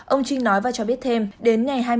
ông trinh nói và cho biết thêm đến ngày